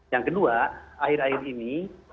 yang kedua akhir akhir ini